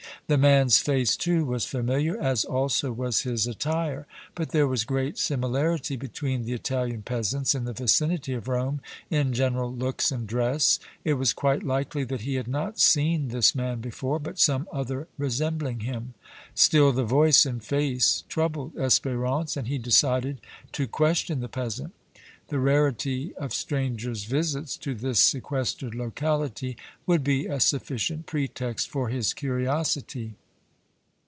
The man's face, too, was familiar, as also was his attire; but there was great similarity between the Italian peasants in the vicinity of Rome in general looks and dress; it was quite likely that he had not seen this man before, but some other resembling him; still, the voice and face troubled Espérance, and he decided to question the peasant; the rarity of strangers' visits to this sequestered locality would be a sufficient pretext for his curiosity.